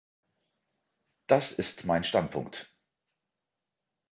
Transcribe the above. Das ist mein Standpunkt.